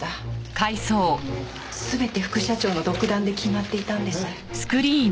全て副社長の独断で決まっていたんです。